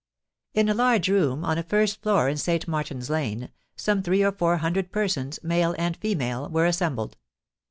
In a large room, on a first floor in St. Martin's Lane, some three or four hundred persons, male and female, were assembled.